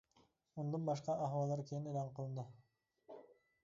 ئۇندىن باشقا ئەھۋاللىرى كېيىن ئېلان قىلىنىدۇ.